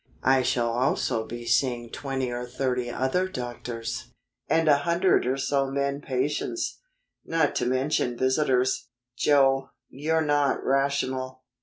I shall also be seeing twenty or thirty other doctors, and a hundred or so men patients, not to mention visitors. Joe, you're not rational."